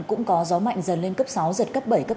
cũng có gió mạnh dần lên cấp sáu giật cấp bảy cấp tám